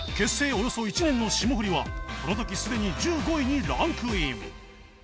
およそ１年の霜降りはこの時すでに１５位にランクイン